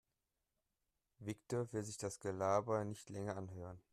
Viktor will sich das Gelaber nicht länger anhören.